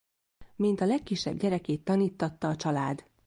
Mint a legkisebb gyerekét taníttatta a család.